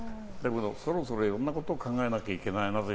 そろそろいろんなことを考えなきゃいけないなって